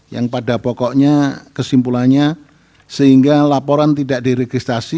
yang pada pokoknya kesimpulannya sehingga laporan tidak diregistrasi